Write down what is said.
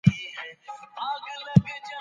دا آیت د الله له لوري نازل شوی دی.